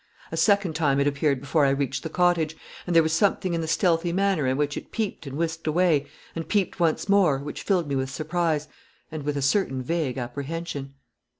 A second time it appeared before I reached the cottage, and there was something in the stealthy manner in which it peeped and whisked away, and peeped once more, which filled me with surprise, and with a certain vague apprehension.